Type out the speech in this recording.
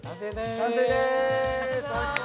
完成です。